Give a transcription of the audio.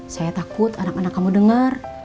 saya takut anak anak kamu dengar